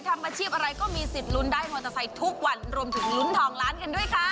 ทำอาชีพอะไรก็มีสิทธิ์ลุ้นได้มอเตอร์ไซค์ทุกวันรวมถึงลุ้นทองล้านกันด้วยค่ะ